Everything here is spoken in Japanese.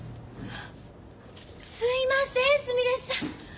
すいませんすみれさん！